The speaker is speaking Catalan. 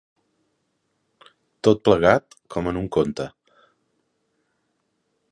Tot plegat, com en un conte.